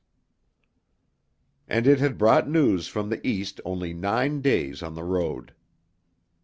And it had brought news from the East only nine days on the road.